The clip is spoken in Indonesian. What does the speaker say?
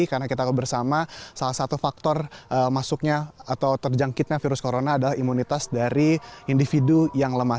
karena kita bersama salah satu faktor masuknya atau terjangkitnya virus corona adalah imunitas dari individu yang lemah